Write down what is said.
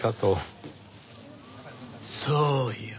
そうよ。